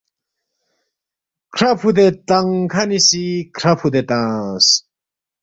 کھرا فُودے تنگ کھنی سی کھرا فُودے تنگس